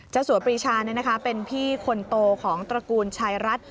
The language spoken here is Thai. สัวปรีชาเป็นพี่คนโตของตระกูลชายรัฐ